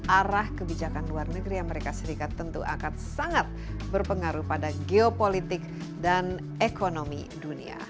arah kebijakan luar negeri amerika serikat tentu akan sangat berpengaruh pada geopolitik dan ekonomi dunia